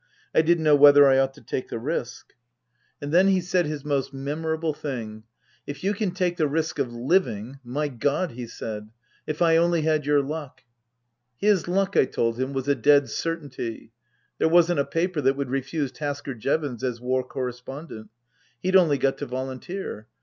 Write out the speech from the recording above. I didn't know whether I ought to take the risk. 262 Tasker Jevons And then he said his memorable thing: " If you can take the risk of living My God," he said, " if I only had your luck !" His luck, I told him, was a dead certainty. There wasn't a paper that would refuse Tasker Jevons as War Correspondent. He'd only got to volunteer.